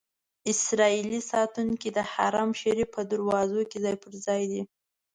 اسرائیلي ساتونکي د حرم شریف په دروازو کې ځای پر ځای دي.